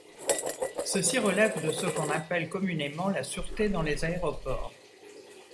Ceci relève de ce qu'on appelle communément la sûreté dans les aéroports.